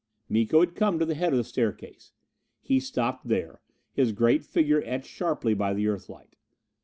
Miko had come to the head of the staircase. He stopped there, his great figure etched sharply by the Earthlight.